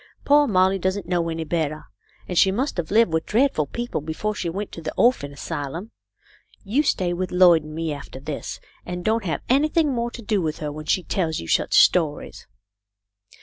" Poor Molly doesn't know any better, and she must have lived with dreadful people before she went to the orphan asylum. You stay with Lloyd and me, after this, and don't have anything more to do with her when she tells you such stories."